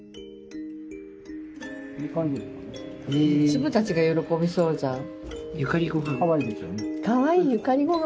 つぶたちが喜びそうじゃん。